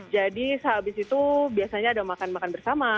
jadi sehabis itu biasanya ada makan makan bersama